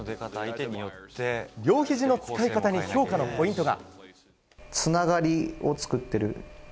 両ひじの使い方に評価のポイントが。